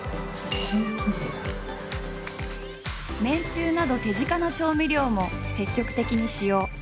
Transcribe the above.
めんつゆなど手近な調味料も積極的に使用。